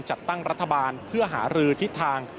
จัดตั้งรัฐบาลเพื่อหารือทิศทาง